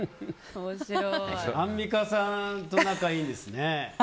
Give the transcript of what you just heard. アンミカさんと仲がいいんですね。